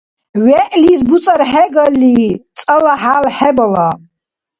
ВегӀлис буцӀархӀегалли, цӀала хӀял хӀебала.